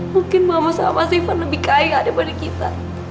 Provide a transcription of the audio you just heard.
mungkin mama sama steven lebih kaya daripada kita